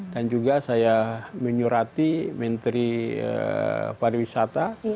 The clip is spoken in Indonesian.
dan juga saya menyurati menteri pariwisata